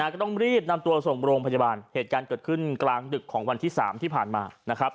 ก็ต้องรีบนำตัวส่งโรงพยาบาลเหตุการณ์เกิดขึ้นกลางดึกของวันที่๓ที่ผ่านมานะครับ